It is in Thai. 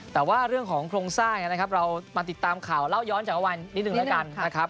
แต่ว่าเรื่องของโครงสร้างนะครับเรามาติดตามข่าวเล่าย้อนจากวันนิดนึงแล้วกันนะครับ